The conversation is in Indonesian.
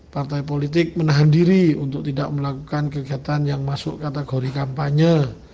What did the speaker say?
partai politik menahan diri untuk tidak melakukan kegiatan yang masuk kategori kampanye